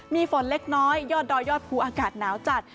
มีฝนเล็กน้อยยอดดอยยอดภูอากาศหนาวจัด